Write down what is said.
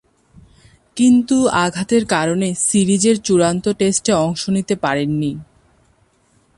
কিন্তু আঘাতের কারণে সিরিজের চূড়ান্ত টেস্টে অংশ নিতে পারেননি।